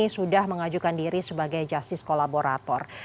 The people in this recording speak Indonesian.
sudah mengajukan diri sebagai justice kolaborator